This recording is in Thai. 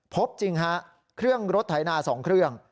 พบจริงฮะเครื่องรถไถนา๒เครื่อง